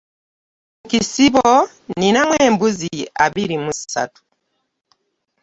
Mu kisibo ninamu embuzi abiri mu ssatu.